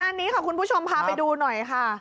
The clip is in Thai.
อันนี้ค่ะคุณผู้ชมพาไปดูหน่อยค่ะ